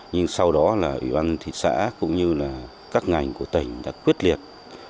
nhưng sau đó ủy ban thị xã cũng như các ngành của tỉnh đã quyết liệt